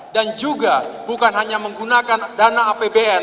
dan juga bukan hanya menggunakan dana apbn